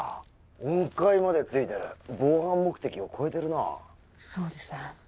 音階までついてる防犯目的を超えてるなそうですね